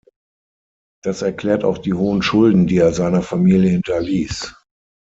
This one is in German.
Das erklärt auch die hohen Schulden, die er seiner Familie hinterließ.